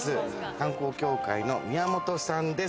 観光協会の宮本さんです。